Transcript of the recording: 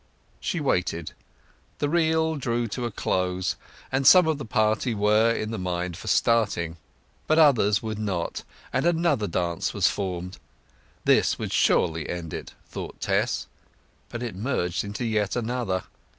She waited. The reel drew to a close, and some of the party were in the mind of starting. But others would not, and another dance was formed. This surely would end it, thought Tess. But it merged in yet another.